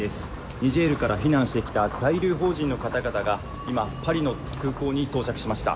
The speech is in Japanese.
ニジェールから避難してきた在留邦人の方々が今、パリの空港に到着しました。